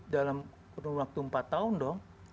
dalam kurun waktu empat tahun dong